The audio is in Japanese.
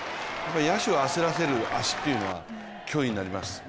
野手を焦らせる足っていうのは脅威になります。